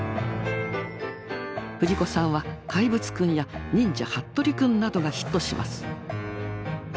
藤子さんは「怪物くん」や「忍者ハットリくん」などがヒットします。